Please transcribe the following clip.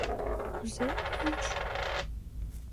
— Кузе ойлыш?..